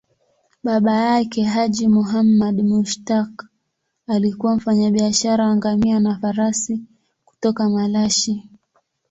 Baba yake, Haji Muhammad Mushtaq, alikuwa mfanyabiashara wa ngamia na farasi kutoka Malashi.